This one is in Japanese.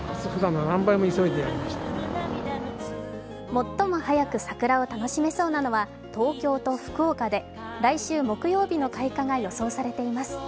最も早く桜を楽しめそうなのは東京と福岡で来週木曜日の開花が予想されています。